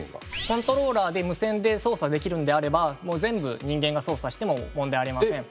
コントローラーで無線で操作できるんであればもう全部人間が操作しても問題ありません。